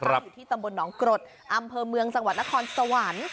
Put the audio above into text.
อยู่ที่ตำบลหนองกรดอำเภอเมืองจังหวัดนครสวรรค์